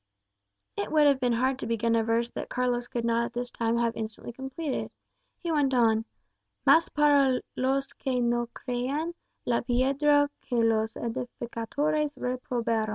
It would have been hard to begin a verse that Carlos could not at this time have instantly completed. He went on: "Mas para los que no creen, la piedra que los edificatores reprobaron."